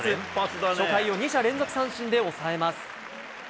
初回を２者連続三振で抑えます。